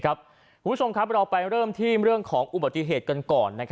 คุณผู้ชมครับเราไปเริ่มที่เรื่องของอุบัติเหตุกันก่อน